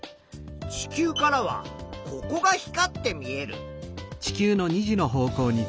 地球からはここが光って見える。